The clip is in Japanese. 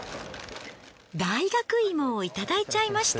大学芋をいただいちゃいました。